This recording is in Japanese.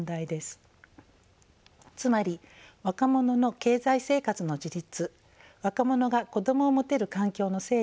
つまり若者の経済生活の自立若者が子どもを持てる環境の整備